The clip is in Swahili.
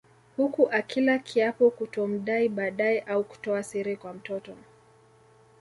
Huku akila kiapo kutomdai baadae au kutoa siri kwa mtoto